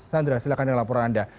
sandra silahkan dengan laporan anda